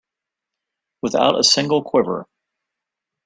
Without a single quiver.